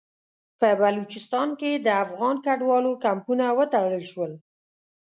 په بلوچستان کې د افغان کډوالو کمپونه وتړل شول.